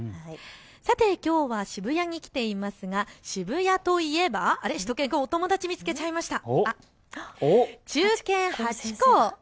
さてきょうは渋谷に来ていますが渋谷といえばしゅと犬くんお友達見つけちゃいました。